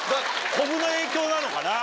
コブの影響なのかな？